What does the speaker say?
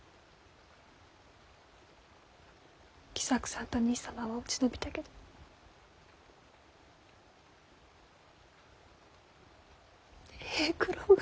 喜作さんと兄さまは落ち延びたけど平九郎が。